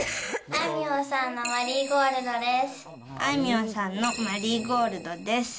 あいみょんさんのマリーゴールドです。